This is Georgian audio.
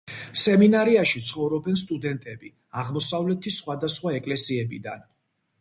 სემინარიაში ცხოვრობენ სტუდენტები აღმოსავლეთის სხვადასხვა ეკლესიებიდან.